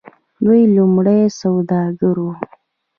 دوی لومړی سوداګر وو.